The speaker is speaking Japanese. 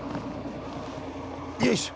よいしょ。